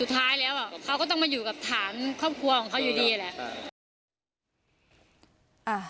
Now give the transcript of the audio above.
สุดท้ายแล้วเขาก็ต้องมาอยู่กับฐานครอบครัวของเขาอยู่ดีแหละ